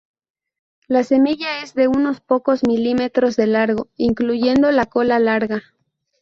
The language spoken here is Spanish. La semilla es de unos pocos milímetros de largo, incluyendo la cola larga.